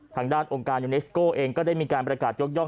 ทางด้านองค์การยูเนสโก้เองก็ได้มีการประกาศยกย่อง